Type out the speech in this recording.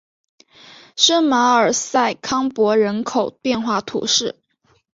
圣马尔瑟康珀人口变化图示